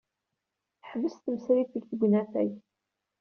Taḥbes temsriffegt deg unafag